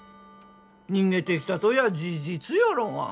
逃げてきたとや事実やろうが。